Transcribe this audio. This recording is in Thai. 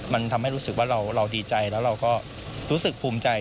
มันทำให้รู้สึกว่าเราดีใจแล้วเราก็รู้สึกภูมิใจ